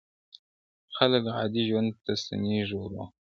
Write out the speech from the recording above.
• خلک عادي ژوند ته ستنېږي ورو..